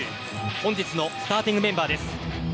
本日のスターティングメンバーです。